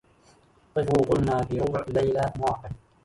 قفوا قلنا في ربع ليلى مواقف